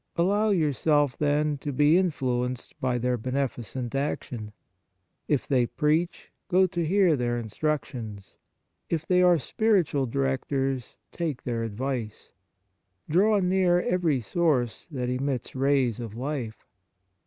Allow yourself, then, to be influenced by their beneficent action. If they preach, go to hear their instructions ; if they are spiritual directors, take their advice. Draw near every source that emits rays of life.